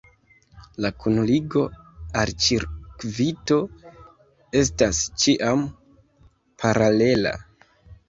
La kunligo al cirkvito estas ĉiam paralela.